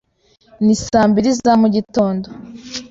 Ni saa mbiri za mugitondo.